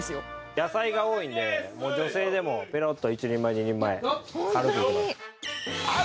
野菜が多いので、女性でもぺろっと１人前、２人前、軽くいけます。